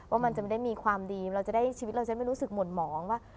ว่ามันจะไม่ได้มีความดีเราจะได้ชีวิตเราจะไม่รู้สึกหม่นหมองว่า